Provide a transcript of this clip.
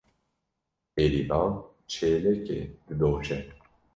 Bêrîvan çêlekê didoşe.